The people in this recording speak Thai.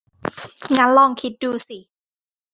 งั้นลองคิดดูสิ